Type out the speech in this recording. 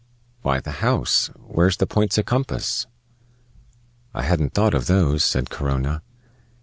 "Why, the house. Where's the points o' compass?" "I hadn't thought of those," said Corona.